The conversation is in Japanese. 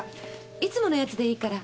いつものやつでいいから。